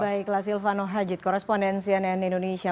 baiklah silvano hajit korespondensi ann indonesia